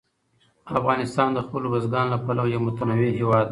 افغانستان د خپلو بزګانو له پلوه یو متنوع هېواد دی.